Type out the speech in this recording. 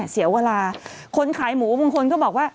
เสียเวลาคนขายหมูบางคนก็บอกว่า